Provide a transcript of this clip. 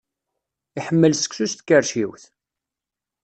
Iḥemmel seksu s tkerciwt?